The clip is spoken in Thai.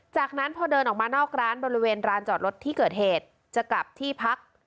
จากนั้นพอเดินออกมานอกร้านบริเวณร้านจอดรถที่เกิดเหตุจะกลับที่พัก